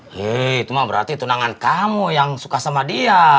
hei itu mah berarti tunangan kamu yang suka sama dia